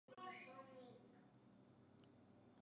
Disertación de maestría en la Universidad Estatal Paulista.